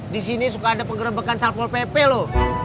disini suka ada pengerebekan salkul pp loh